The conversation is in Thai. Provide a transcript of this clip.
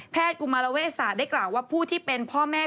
กุมารเวศาสตร์ได้กล่าวว่าผู้ที่เป็นพ่อแม่